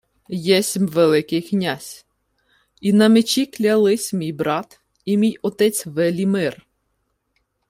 — Єсмь Великий князь, і на мечі клялися мій брат і мій отець Велімир!